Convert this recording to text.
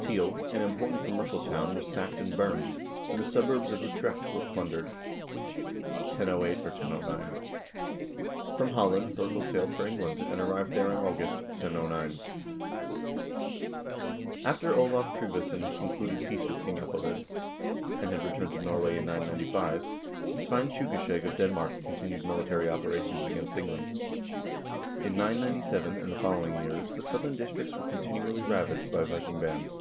2 Tiel, an important commercial town, was sacked and burned, and the suburbs of Utrecht were plundered, 1008 or 1009. FromvHolland Thorkel sailed for England, and arrived there in August, 1009.3 After Olav Tryggvason had concluded peace with King ^Ethelred, and had returned to Norway in 995, Svein Tjugeskjeg of Denmark continued military operations against England. In 997 and the following years the southern districts were continually ravaged by Viking bands.